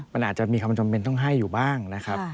มันอาจจะมีความจำเป็นต้องให้อยู่บ้างนะครับ